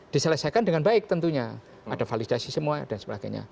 diselesaikan dengan baik tentunya ada validasi semua dan sebagainya